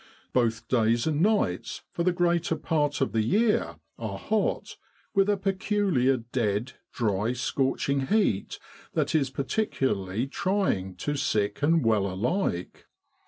Both days and nights, for the greater part of the year, are hot, with a peculiar dead, dry, scorching heat that is particularly trying to sick and well alike.